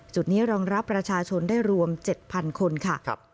จุดนี้รองรับประชาชนได้รวม๗๐๐คนค่ะ